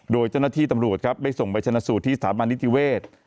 โดยเจ้าหน้าที่ตำรวจครับได้ส่งไปชนะสูตรที่สถาบันนิติเวศ